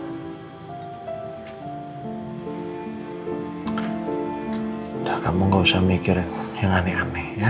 udah kamu gak usah mikir yang aneh aneh ya